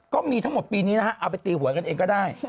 ก็มีทั้งหมดปีนี้นะฮะเอาไปตีหัวกันเองก็ได้